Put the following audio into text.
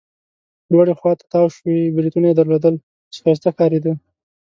لوړې خوا ته تاو شوي بریتونه يې درلودل، چې ښایسته ښکارېده.